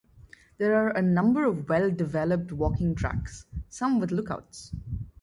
There are a number of well-developed walking tracks, some with lookouts.